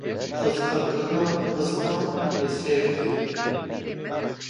Rizgarkirina bizinan li Sêrtê.